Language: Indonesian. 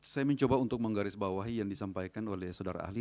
saya mencoba untuk menggarisbawahi yang disampaikan oleh saudara ahli